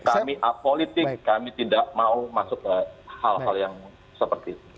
kami politik kami tidak mau masuk ke hal hal yang seperti itu